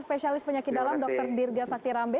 spesialis penyakit dalam dokter dirga saktirambe